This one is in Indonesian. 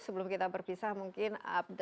sebelum kita berpisah mungkin